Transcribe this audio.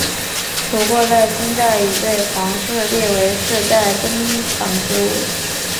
不过在清代已被皇室列为世代珍藏之物。